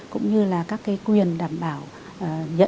cũng như là các cái quyền đảm bảo nhân dân